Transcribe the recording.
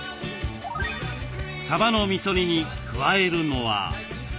さばのみそ煮に加えるのは。